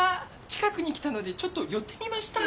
近くに来たのでちょっと寄ってみました。